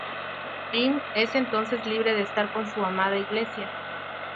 Jim es entonces libre de estar con su amada inglesa.